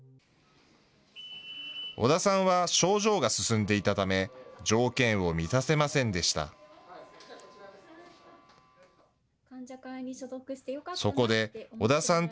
織田さんは、症状が進んでいたため、条件を満たせませんでした。